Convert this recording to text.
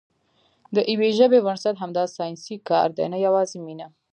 د یوې ژبې بنسټ همدا ساینسي کار دی، نه یوازې مینه.